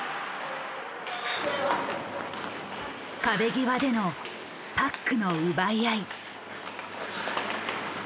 壁際でのパックの奪い合い。